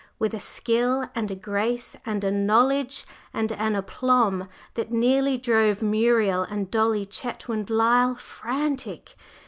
with a skill and a grace and a knowledge and an aplomb that nearly drove Muriel and Dolly Chetwynd Lyle frantic.